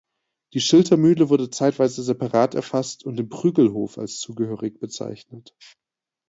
Die Schiltermühle wurde zeitweise separat erfasst und dem Prüglhof als zugehörig bezeichnet.